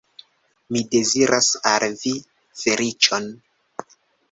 Mi deziras al vi feliĉon.